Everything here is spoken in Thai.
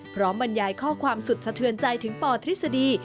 บรรยายข้อความสุดสะเทือนใจถึงปทฤษฎี